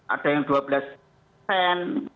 ada yang dua belas persen